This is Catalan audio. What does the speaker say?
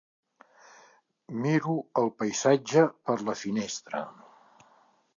Miro el paisatge per la finestra.